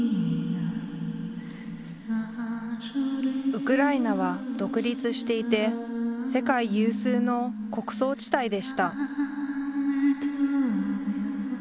ウクライナは独立していて世界有数の穀倉地帯でした